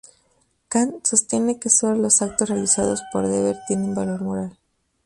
Kant sostiene que solo los actos realizados por deber tienen valor moral.